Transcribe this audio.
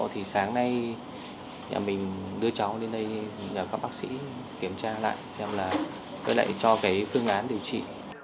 thì sáng nay nhà mình đưa cháu lên đây nhờ các bác sĩ kiểm tra lại xem là lại cho cái phương án điều trị